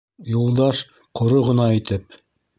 Юлдаш, ҡоро ғына итеп: